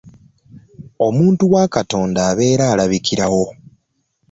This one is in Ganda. Omuntu wa Katonda abeera alabikirawo.